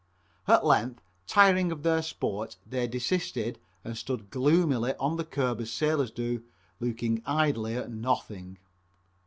At length, tiring of their sport, they desisted and stood gloomily on the curb as sailors do, looking idly at nothing.